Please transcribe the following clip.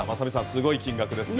すごい金額ですね。